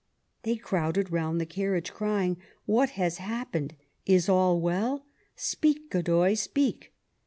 They crowded round the carriage crying: "What has happened? Is all well? Speak, Godoy, speak!"